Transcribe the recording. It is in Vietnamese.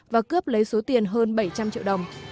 và cướp lấy số tiền hơn bảy trăm linh triệu đồng